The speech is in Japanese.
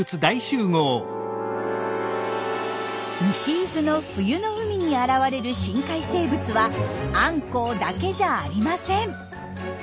西伊豆の冬の海に現れる深海生物はアンコウだけじゃありません。